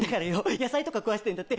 野菜とか食わしてんだって。